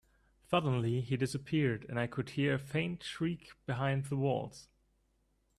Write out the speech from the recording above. Suddenly, he disappeared, and I could hear a faint shriek behind the walls.